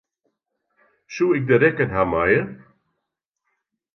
Soe ik de rekken ha meie?